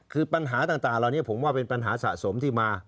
คือปัญหาต่างเหล่านี้ผมว่าเป็นปัญหาสะสมที่มา